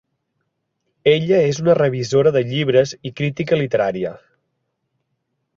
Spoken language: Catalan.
Ella és una revisora de llibres i crítica literària.